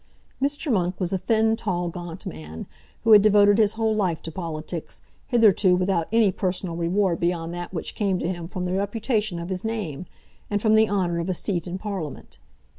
Mr. Monk was a thin, tall, gaunt man, who had devoted his whole life to politics, hitherto without any personal reward beyond that which came to him from the reputation of his name, and from the honour of a seat in Parliament.